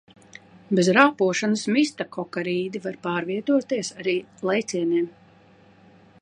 Bez rāpošanas mistakokarīdi var pārvietoties arī lēcieniem.